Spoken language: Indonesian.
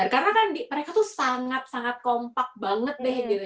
karena kan mereka tuh sangat sangat kompak banget deh gitu